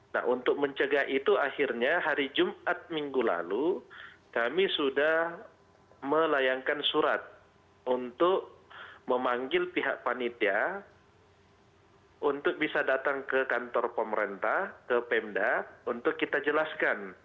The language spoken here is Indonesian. nah untuk mencegah itu akhirnya hari jumat minggu lalu kami sudah melayangkan surat untuk memanggil pihak panitia untuk bisa datang ke kantor pemerintah ke pemda untuk kita jelaskan